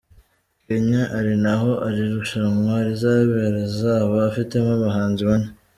Kenya, ari naho iri rushanwa rizabera izaba ifitemo abahanzi bane.